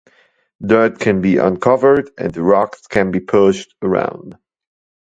Dirt can be uncovered and rocks can be pushed around.